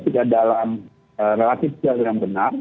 tidak dalam relatif sel yang benar